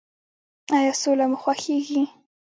ایا سوله مو خوښیږي؟